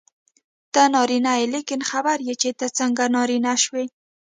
ته نارینه یې لیکن خبر یې چې ته څنګه نارینه شوې.